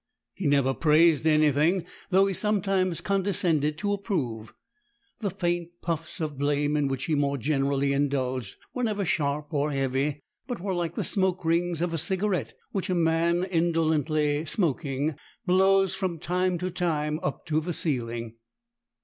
He never praised anything, though he sometimes condescended to approve. The faint puffs of blame in which he more generally indulged were never sharp or heavy, but were like the smoke rings of a cigarette which a man indolently smoking blows from time to time up to the ceiling.